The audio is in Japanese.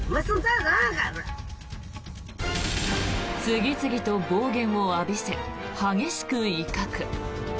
次々と暴言を浴びせ激しく威嚇。